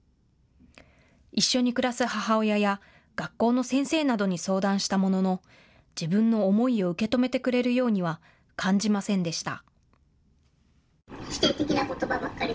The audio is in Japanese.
一緒に暮らす母親や学校の先生などに相談したものの自分の思いを受け止めてくれるようには感じませんでした。